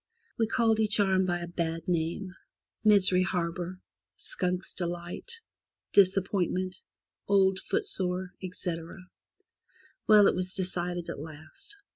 We called each arm by a bad name — Misery Harbour, Skunk's Delight, Disappointment, Old Footsore, etc. Well, it was decided at last.